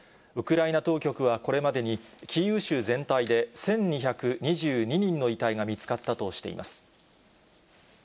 ウクライナ当局はこれまでに、キーウ州全体で１２２２人の遺体が見つかったとしています。